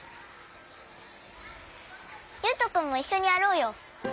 ゆうとくんもいっしょにやろうよ。